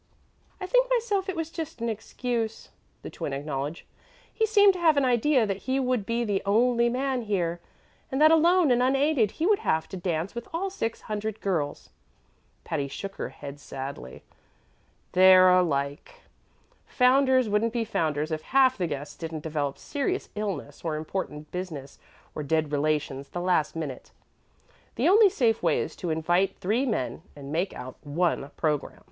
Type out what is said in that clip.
"I think myself it was just an excuse," the Twin acknowledged. "He seemed to have an idea that he would be the only man here, and that, alone and unaided, he would have to dance with all six hundred girls." Patty shook her head sadly. "They're all alike. Founder's wouldn't be Founder's if half the guests didn't develop serious illness or important business or dead relations the last minute. The only safe way is to invite three men and make out one program."